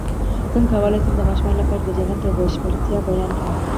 څنګه کولی شم د ماشومانو لپاره د جنت د بشپړتیا بیان کړم